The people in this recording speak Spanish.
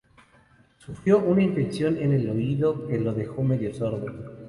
Sufrió una infección en el oído que lo dejó medio sordo.